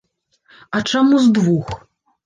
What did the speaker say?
А чаму з двух?